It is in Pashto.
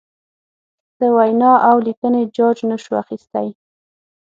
د وینا اولیکنې جاج نشو اخستی.